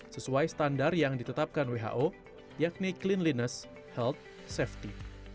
sesuai standar yang ditetapkan who yakni cleanliness health safety